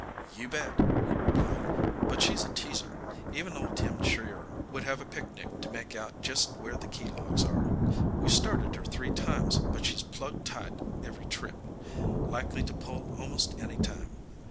"You bet," he replied, "but she's a teaser. Even old Tim Shearer would have a picnic to make out just where the key logs are. We've started her three times, but she's plugged tight every trip. Likely to pull almost any time."